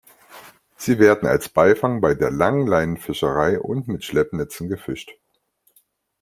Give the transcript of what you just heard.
Sie werden als Beifang bei der Langleinenfischerei und mit Schleppnetzen gefischt.